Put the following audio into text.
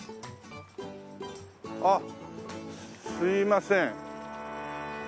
あっすいません。